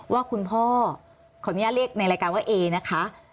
ว่าคุณพ่อขออนุญาตเรียกในรายการว่าเอนะคะ